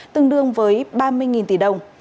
tương đương với ba mươi tỷ đồng